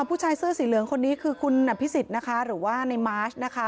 ผู้ชายเสื้อสีเหลืองคนนี้คือคุณอภิษฎนะคะหรือว่าในมาร์ชนะคะ